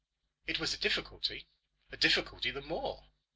It was a difficulty a difficulty the more.